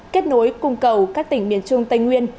kết nối cung cầu các tỉnh miền trung tây nguyên